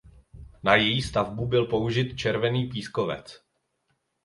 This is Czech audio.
Na její stavbu byl použit červený pískovec.